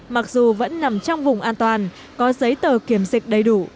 mặc dù vẫn nằm trong vùng an toàn có giấy tờ kiểm dịch đầy đủ